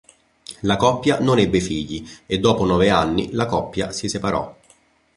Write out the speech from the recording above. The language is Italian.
La coppia non ebbe figli e dopo nove anni la coppia si separò.